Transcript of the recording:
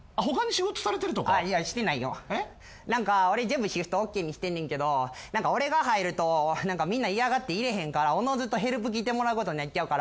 何か俺全部シフトＯＫにしてんねんけど何か俺が入るとみんな嫌がって入れへんからおのずとヘルプ来てもらうことになっちゃうから。